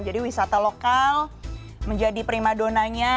jadi wisata lokal menjadi prima donanya